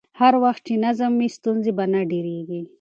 هر وخت چې نظم وي، ستونزې به نه ډېرېږي.